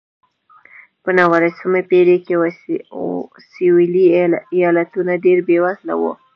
په نولسمې پېړۍ کې سوېلي ایالتونه ډېر بېوزله وو.